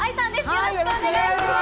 よろしくお願いします。